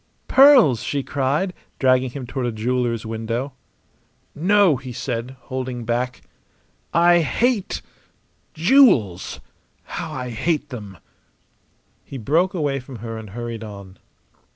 "Pearls!" she cried, dragging him toward a jeweller's window. "No!" he said, holding back. "I hate jewels! How I hate them!" He broke away from her and hurried on.